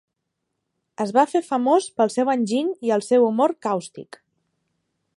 Es va fer famós pel seu enginy i el seu humor càustic.